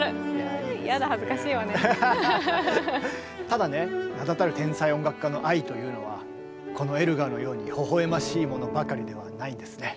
ただね名だたる天才音楽家の愛というのはこのエルガーのようにほほ笑ましいものばかりではないんですね。